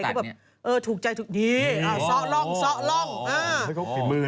ก็แบบถูกใจถูกดีซอล่อง